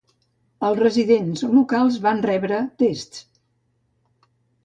Els residents locals van rebre tests.